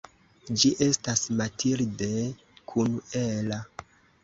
Ĝi estis Mathilde kun Ella.